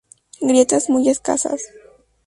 Grietas muy escasas.